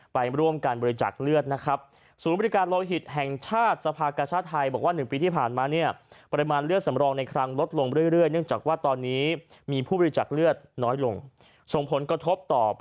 ไปร่วมการบริจักษ์เลือดนะครับ